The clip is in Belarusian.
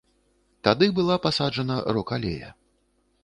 Тады была пасаджана рок-алея.